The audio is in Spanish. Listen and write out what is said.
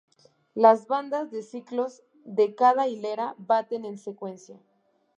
Las bandas de cilios de cada hilera baten en secuencia.